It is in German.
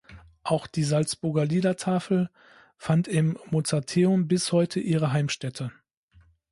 Auch die „Salzburger Liedertafel“ fand im Mozarteum bis heute ihre Heimstätte.